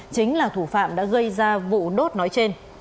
chính là thủ phạm đã gây ra vụ đốt nói trên